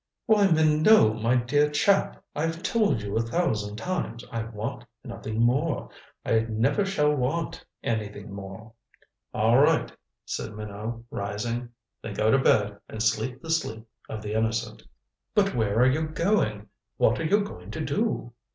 "Why, Minot, my dear chap! I've told you a thousand times I want nothing more I never shall want anything more " "All right," said Minot, rising. "Then go to bed and sleep the sleep of the innocent." "But where are you going? What are you going to do?"